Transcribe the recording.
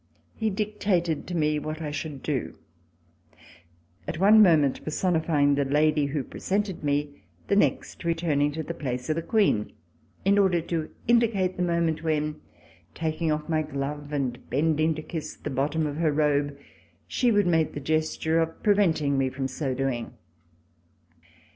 He dictated to me what I should do, at one moment personifying the lady who presented me, the next, returning to the place of the Queen in order to indicate the moment when, taking off my glove and bending to kiss the bottom of her robe, she would make the gesture of preventing me from so doing.